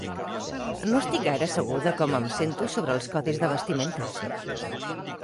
No estic gaire segur de com sento sobre els codis de vestimenta.